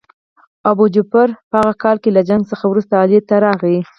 ابوجعفر په هغه کال له جنګ څخه وروسته علي ته راغی.